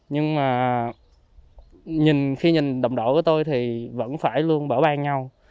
nhưng mà khi nhìn đồng độ của tôi thì vẫn phải luôn bảo ban nhau